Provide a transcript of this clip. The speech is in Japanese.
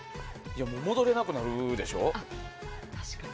戻れなくなるでしょ。